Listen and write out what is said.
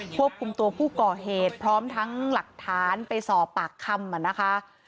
ควบคุมตัวผู้ก่อเหตุพร้อมทั้งหลักฐานไปสอบปากคำนะคะ